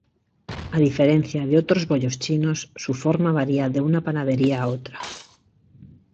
A diferencia de otros bollos chinos, su forma varía de una panadería a otra.